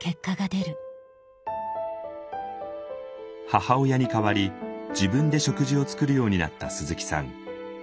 母親に代わり自分で食事を作るようになった鈴木さん。